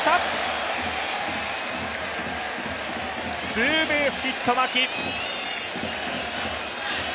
ツーベースヒット、牧。